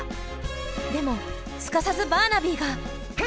でもすかさずバーナビーが。